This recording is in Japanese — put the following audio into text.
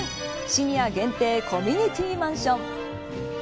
シニア限定コミュニティーマンション。